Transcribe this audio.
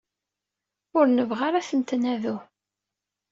Ur nebɣi ara ad tent-nadu.